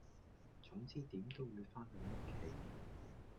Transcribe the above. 總之點都會番到屋企